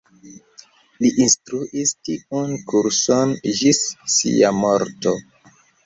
Li instruis tiun kurson ĝis sia morto.